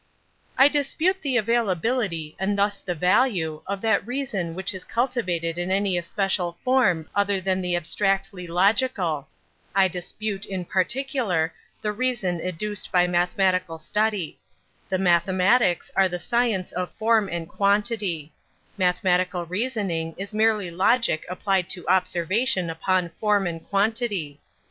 "I dispute the availability, and thus the value, of that reason which is cultivated in any especial form other than the abstractly logical. I dispute, in particular, the reason educed by mathematical study. The mathematics are the science of form and quantity; mathematical reasoning is merely logic applied to observation upon form and quantity.